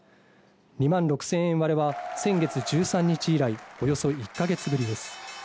２万６０００円割れは先月１３日以来、およそ１か月ぶりです。